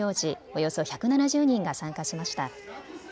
およそ１７０人が参加しました。